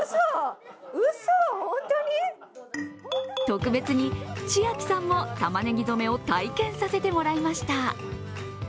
特別に、ちあきさんもたまねぎ染めを体験させてもらいました。